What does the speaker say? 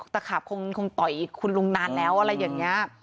ตะขาบคงต่อยคุณลุงนานแล้วอะไรอย่างนี้